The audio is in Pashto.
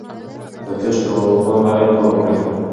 تر څو چې توان لرئ کار وکړئ.